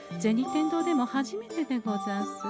天堂でも初めてでござんす。